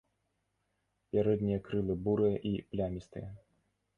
Пярэднія крылы бурыя і плямістыя.